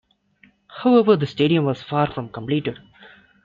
However, the stadium was far from completed.